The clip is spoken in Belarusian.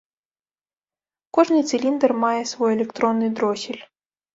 Кожны цыліндр мае свой электронны дросель.